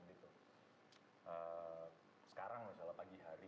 pagi hari itu sistem pencernaan manusia belum disiapkan secara biologis